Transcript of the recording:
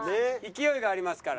勢いがありますから。